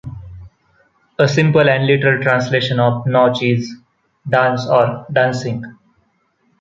A simple and literal translation of Nautch is "dance" or "dancing".